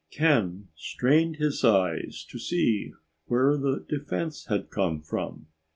Ken strained his eyes to see where the defense had come from.